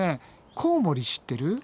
コウモリ知ってる。